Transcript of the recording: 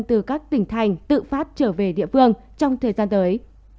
từ các tỉnh thành tự phát trở về địa phương trong thời gian tới